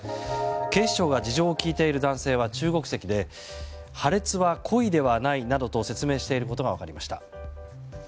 警視庁が事情を聴いている男性は中国籍で破裂は故意ではないなどと説明していることが分かりました。